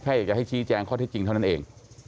อยากจะให้ชี้แจงข้อเท็จจริงเท่านั้นเอง